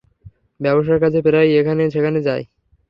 ব্যবসার কাজে প্রায়ই এখানে সেখানে যায়!